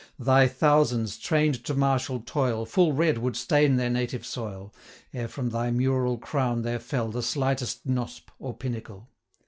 Thy thousands, train'd to martial toil, Full red would stain their native soil, Ere from thy mural crown there fell 105 The slightest knosp, or pinnacle.